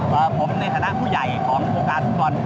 ผมในคณะผู้ใหญ่ของโปรการสุดควร